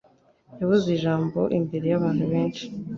Yavuze ijambo imbere y'abantu benshi.